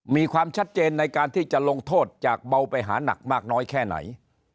มีความชัดเจนในการที่จะลงโทษจากเบาไปหานักมากน้อยแค่ไหน